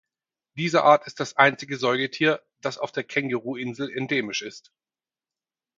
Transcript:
Diese Art ist das einzige Säugetier, das auf der Känguru-Insel endemisch ist.